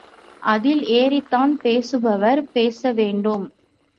அதில் ஏறித்தான் பேசுபவர் பேசவேண்டும்.